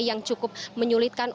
yang cukup menyulitkan